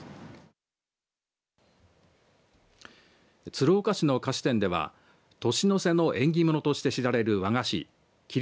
鶴岡市の菓子店では年の瀬の縁起物として知られる和菓子切